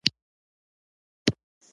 امریکایان په حقه دي، حموربي په ناحقه.